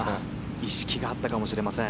意識があったかもしれません。